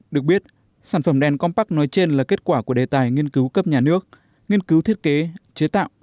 được biết sản phẩm đèn compact nói trên là kết quả của đề tài nghiên cứu cấp nhà nước nghiên cứu thiết kế chế tạo